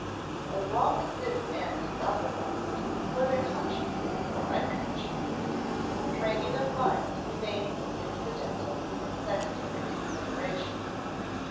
As long as this end is uppermost (whether consciously or unconsciously), training of mind remains an incidental and secondary consideration.